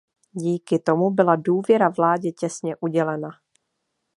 Díky tomu byla důvěra vládě těsně udělena.